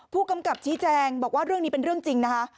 ผู้กำกับชี้แจงบอกว่าเรื่องนี้เป็นเรื่องจริงนะคะ